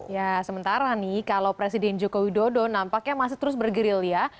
ya sementara nih kalau presiden joko widodo nampaknya masih terus bergerilya